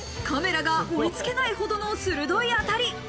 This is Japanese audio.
カメラが追いつけないほどの鋭い当たり。